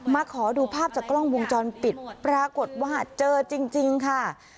ขอดูภาพจากกล้องวงจรปิดปรากฏว่าเจอจริงค่ะ